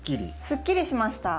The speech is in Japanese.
すっきりしました。